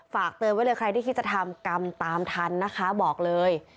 ฝากเตือนไว้เลยใครที่คิดจะทำกรรมตามทันนะคะบอกเลย